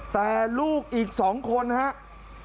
แต่ลูกอีก๒คนนะครับ